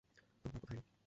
তোর মা কোথায় রে?